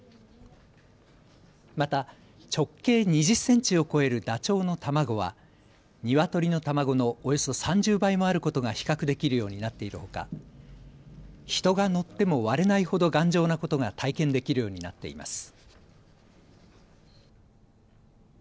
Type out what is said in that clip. また直径２０センチを超えるダチョウの卵はニワトリの卵のおよそ３０倍もあることが比較できるようになっているほか人が乗っても割れないほど頑丈なことが体験できるようになっています。